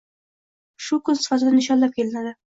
Shu kun sifatida nishonlab kelinadi.